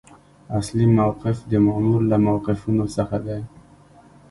اصلي موقف د مامور له موقفونو څخه دی.